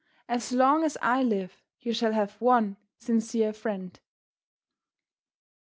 As long as I live you shall have one sincere friend."